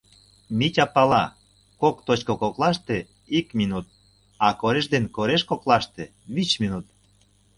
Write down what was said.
Митя пала: кок точко коклаште — ик минут, а кореш ден кореш коклаште — вич минут.